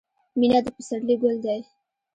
• مینه د پسرلي ګل دی.